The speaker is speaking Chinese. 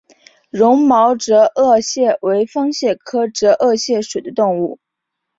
绒毛折颚蟹为方蟹科折颚蟹属的动物。